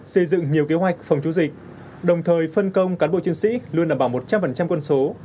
xây dựng nhiều kế hoạch phòng chống dịch đồng thời phân công cán bộ chiến sĩ luôn đảm bảo một trăm linh quân số